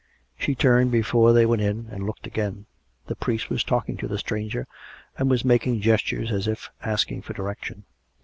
She turned before they went in, and looked again. The priest was talking to the stranger, and was making gestures, as if asking for direction.